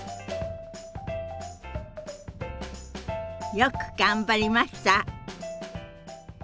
よく頑張りました。